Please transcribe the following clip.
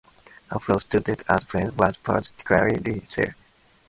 A fellow student and friend was poet Clara Leiser.